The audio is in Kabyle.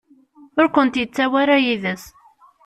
Ur kent-yettawi ara yid-s.